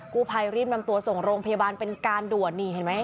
กู้ภัยรีบนำตัวส่งโรงพยาบาลเป็นการด่วนนี่เห็นไหม